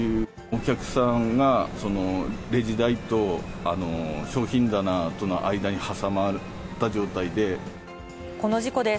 お客さんがレジ台と商品棚との間に挟まった状態で。